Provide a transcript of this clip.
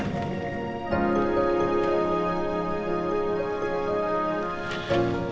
kamu kenapa bohong sama aku mas